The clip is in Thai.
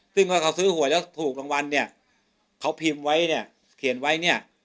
ซึ่งพอเขาซื้อหวยแล้วถูกรางวัลเนี่ยเขาพิมพ์ไว้เนี่ยเขียนไว้เนี่ย